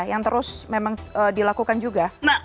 yang terus memang dilakukan juga